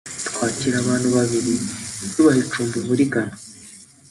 twakira abantu babiri tubaha icumbi muri Ghana